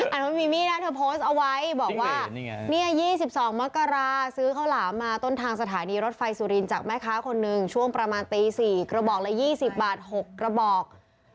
อันนั้นไม่มีมีดนะเธอโพสต์เอาไว้บอกว่าเนี่ย๒๒มกราซื้อข้าวหลามมาต้นทางสถานีรถไฟสุรินจากแม่ค้าคนหนึ่งช่วงประมาณตี๔กระบอกละ๒๐บาท๖กระบอก